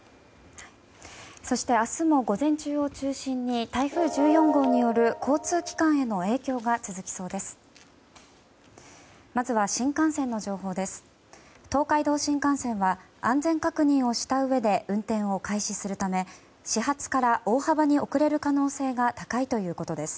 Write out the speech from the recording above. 明日も午前中を中心に台風１４号による交通機関への影響が続きそうです。